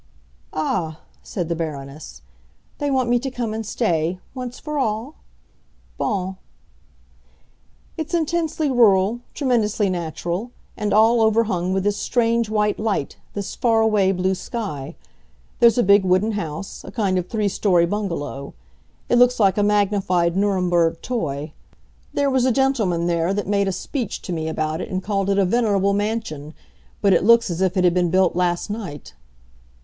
"Ah," said the Baroness, "they want me to come and stay, once for all? Bon." "It's intensely rural, tremendously natural; and all overhung with this strange white light, this far away blue sky. There's a big wooden house—a kind of three story bungalow; it looks like a magnified Nuremberg toy. There was a gentleman there that made a speech to me about it and called it a 'venerable mansion;' but it looks as if it had been built last night."